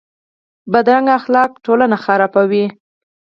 بدرنګه اخلاق ټولنه خرابوي